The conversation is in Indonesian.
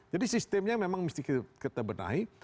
jadi sistemnya memang mesti kita benahi